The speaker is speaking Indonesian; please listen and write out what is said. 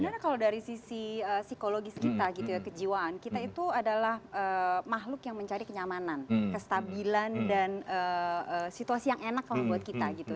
sebenarnya kalau dari sisi psikologis kita gitu ya kejiwaan kita itu adalah makhluk yang mencari kenyamanan kestabilan dan situasi yang enak kalau buat kita gitu